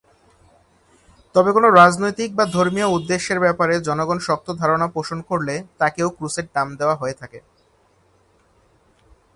তবে কোন রাজনৈতিক বা ধর্মীয় উদ্দেশ্যের ব্যাপারে জনগণ শক্ত ধারণা পোষণ করলে তাকেও ক্রুসেড নাম দেয়া হয়ে থাকে।